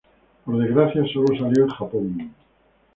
Por desgracia, solo salió en Japón.